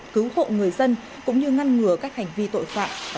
cứu hộ người dân cũng như ngăn ngừa các hành vi tội phạm có thể bùng phát